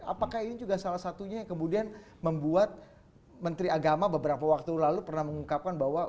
apakah ini juga salah satunya yang kemudian membuat menteri agama beberapa waktu lalu pernah mengungkapkan bahwa